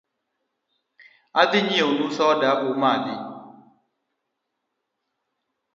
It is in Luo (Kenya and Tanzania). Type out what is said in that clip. Adhi nyieo nu soda umadhi